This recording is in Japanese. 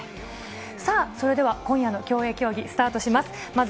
さあ、それでは今夜の競泳競技、スタートします。